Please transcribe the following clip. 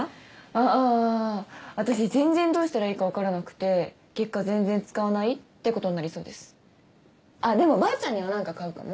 ああー私全然どうしたらいいかわからなくて結果全然使わないってことになりそうですあっでもばあちゃんにはなんか買うかも？